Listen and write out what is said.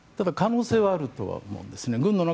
可能性はあると思うんですね。